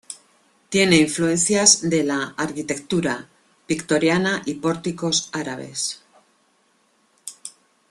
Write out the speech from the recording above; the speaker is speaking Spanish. Tiene influencias de la arquitectura victoriana y pórticos árabes.